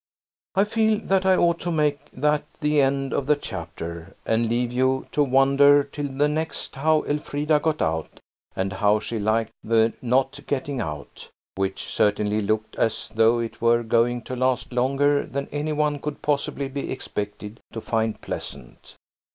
I feel that I ought to make that the end of the chapter, and leave you to wonder till the next how Elfrida got out, and how she liked the not getting out, which certainly looked as though it were going to last longer than any one could possibly be expected to find pleasant.